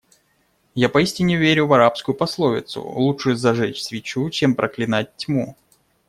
Я поистине верю в арабскую пословицу: "лучше зажечь свечу, чем проклинать тьму".